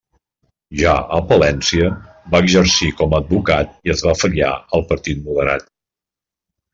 Ja a Palència, va exercir com a advocat i es va afiliar al Partit Moderat.